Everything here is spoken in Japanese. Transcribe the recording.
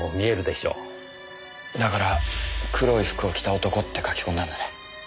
だから黒い服を着た男って書き込んだんだね。